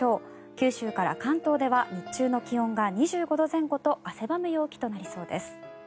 九州から関東では日中の気温が２５度前後と汗ばむ陽気となりそうです。